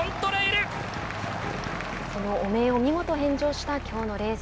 その汚名を見事返上したきょうのレース。